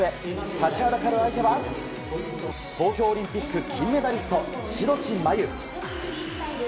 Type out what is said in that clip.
立ちはだかる相手は東京オリンピック金メダリスト志土地真優。